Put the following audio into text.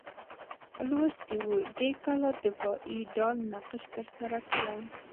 لوستي وو دې کلا دفاعي ډال نقش ترسره کړی.